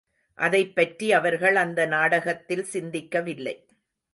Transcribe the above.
அதைப் பற்றி அவர்கள் அந்த நாடகத்தில் சிந்திக்கவில்லை.